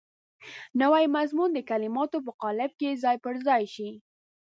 نوی مضمون د کلماتو په قالب کې ځای پر ځای شي.